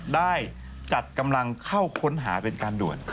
ได้จัดกำลังเข้าค้นหาเป็นการด่วน